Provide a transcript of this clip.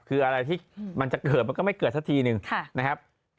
คืออะไรที่มันจะเกิดมันก็ไม่เกิดสักทีหนึ่งนะครับ